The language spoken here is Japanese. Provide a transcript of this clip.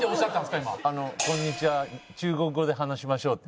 「こんにちは中国語で話しましょう」って。